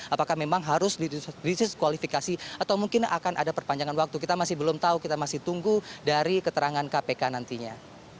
apakah memang harus disesualifikasi atau mungkin akan ada perpanjangan waktu kita masih belum tahu kita masih tunggu dari keterangan kpk nantinya